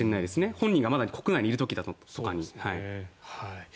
本人がまだ国内にいる時だとかに。